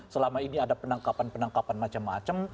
selama ini ada penangkapan penangkapan macam macam